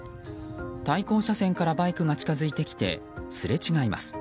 対向車線からバイクが近づいてきてすれ違います。